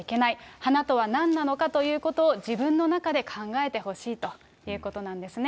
花とは何なのかということを、自分の中で考えてほしいということなんですね。